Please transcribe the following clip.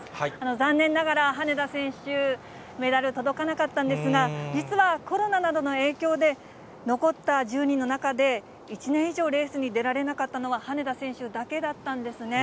残念ながら、羽根田選手、メダル届かなかったんですが、実はコロナなどの影響で、残った１０人の中で、１年以上、レースに出られなかったのは羽根田選手だけだったんですね。